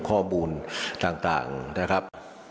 ข้อมูลต่างนะครับ